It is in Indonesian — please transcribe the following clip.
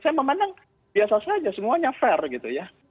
saya memandang biasa saja semuanya fair gitu ya